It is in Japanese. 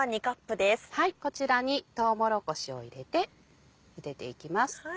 こちらにとうもろこしを入れてゆでていきます。